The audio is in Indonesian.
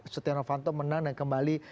setia novanto menang dan kembali